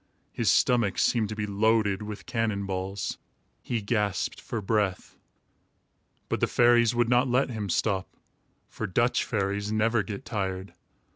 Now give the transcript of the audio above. His stomach seemed to be loaded with cannon balls. He gasped for breath. But the fairies would not let him stop, for Dutch fairies never get tired.